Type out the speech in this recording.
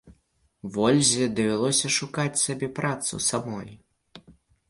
Вользе давялося шукаць сабе працу самой.